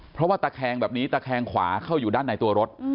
เพราะว่าตะแคงแบบนี้ตะแคงขวาเข้าอยู่ด้านในตัวรถ